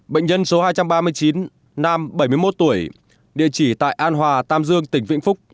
bệnh nhân số hai trăm ba mươi chín nam bảy mươi một tuổi địa chỉ tại an hòa tam dương tỉnh vĩnh phúc